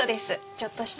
ちょっとした。